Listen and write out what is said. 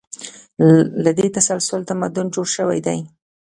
له دې تسلسل تمدن جوړ شوی دی.